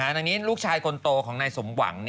ในนี้ลูกชายคนโตของนายสมหวัง